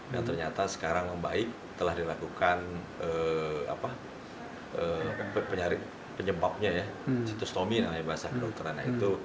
yang ternyata sekarang membaik telah dilakukan penyebabnya ya situs tomin yang ada di bahasa kedokteran itu